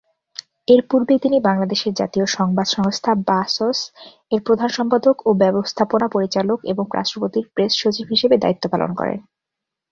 এরপূর্বে তিনি বাংলাদেশের জাতীয় সংবাদ সংস্থা বাসস-এর প্রধান সম্পাদক ও ব্যবস্থাপনা পরিচালক এবং রাষ্ট্রপতির প্রেস সচিব হিসেবে দায়িত্ব পালন করেন।